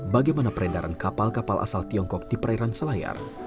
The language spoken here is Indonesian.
bagaimana peredaran kapal kapal asal tiongkok di perairan selayar